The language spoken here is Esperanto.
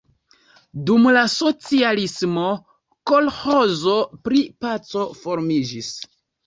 Dum la socialismo kolĥozo pri Paco formiĝis.